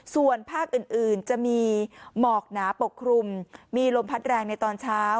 ส่วนภาคอื่นจะมีหมอกหนาปกครุมมีลมพัดแรงในตอนเช้า